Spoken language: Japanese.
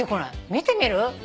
見てみる？